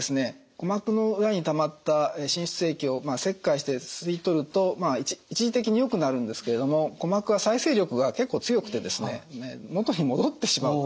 鼓膜の裏にたまった滲出液を切開して吸い取ると一時的によくなるんですけれども鼓膜は再生力が結構強くてですね元に戻ってしまうと。